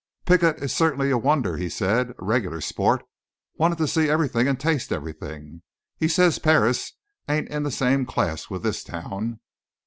"Piggott is certainly a wonder," he said. "A regular sport wanted to see everything and taste everything. He says Paris ain't in the same class with this town."